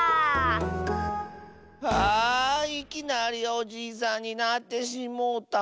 ああいきなりおじいさんになってしもうた。